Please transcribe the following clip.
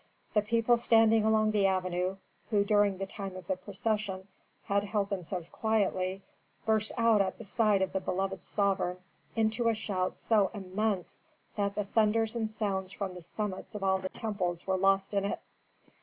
The people standing along the avenue, who during the time of the procession had held themselves quietly, burst out at sight of the beloved sovereign into a shout so immense that the thunders and sounds from the summits of all the temples were lost in it.